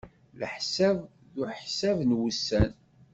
Leḥsab d useḥseb n wussan.